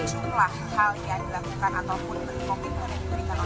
hal yang dilakukan ataupun berikutnya